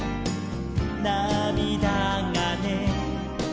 「なみだがね」